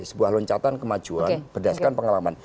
sebuah loncatan kemajuan berdasarkan pengalaman